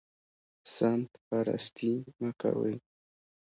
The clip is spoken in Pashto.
سمت پرستي مه کوئ